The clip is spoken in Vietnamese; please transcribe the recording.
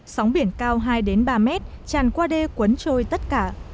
sóng biển cao hai ba mét tràn qua đê cuốn trôi tất cả